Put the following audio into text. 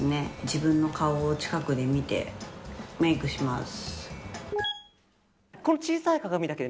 自分の顔を近くで見てメイクします。